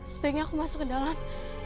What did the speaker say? sebaiknya aku masuk ke dalam